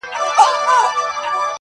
• هم تر وروڼو هم خپلوانو سره ګران وه -